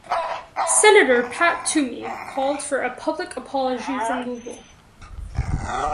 Senator Pat Toomey called for a public apology from Google.